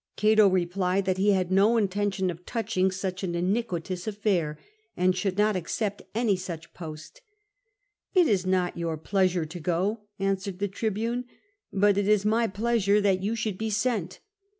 Cato replied that he had no intention of touching such an iniquitous affair, and should not accept any such post. '' It is not your pleasure to go," answered the tribune, ''but it is my pleasure that you should be sent."